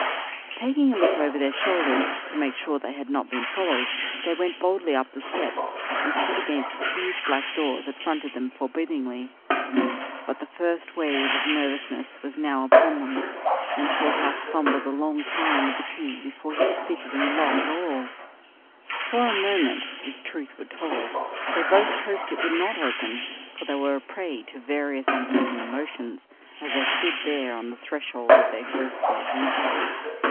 Taking a look over their shoulders to make sure they had not been followed, they went boldly up the steps and stood against the huge black door that fronted them forbiddingly. But the first wave of nervousness was now upon them, and Shorthouse fumbled a long time with the key before he could fit it into the lock at all. For a moment, if truth were told, they both hoped it would not open, for they were a prey to various unpleasant emotions as they stood there on the threshold of their ghostly adventure.